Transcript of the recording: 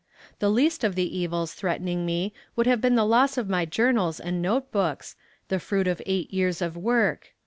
The least of the evils threatening me would have been the loss of my journals and note books, the fruit of eight years of work.